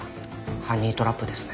ハニートラップですね。